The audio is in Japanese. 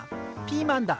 ピーマンだ。